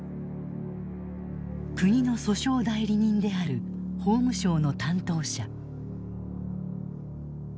国の訴訟代理人である法務省の担当者。